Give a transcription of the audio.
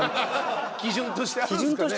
基準としてあるんすかね？